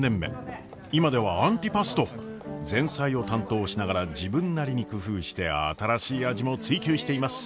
今ではアンティパスト前菜を担当しながら自分なりに工夫して新しい味も追求しています。